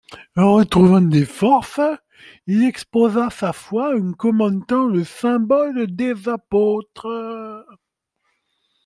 Retrouvant des forces, il exposa sa foi en commentant le symbole des apôtres.